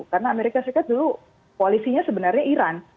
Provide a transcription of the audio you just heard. karena amerika serikat dulu koalisinya sebenarnya iran